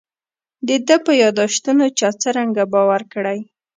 د ده په یاداشتونو چا څرنګه باور کړی.